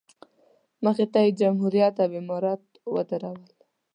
مخې ته یې جمهوریت او امارت ودرول.